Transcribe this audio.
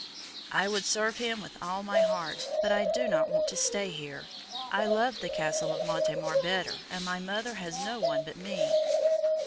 "I would serve him with all my heart, but I do not want to stay here. I love the Castle of Montemar better, and my mother has no one but me."